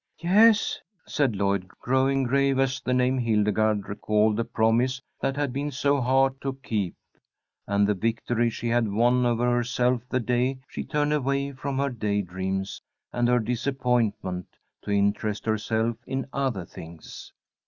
"Yes," said Lloyd, growing grave as the name Hildegarde recalled the promise that had been so hard to keep, and the victory she had won over herself the day she turned away from her day dreams and her disappointment to interest herself in other things.